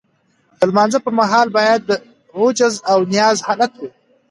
د لمانځه پر مهال باید د عجز او نیاز حالت وي.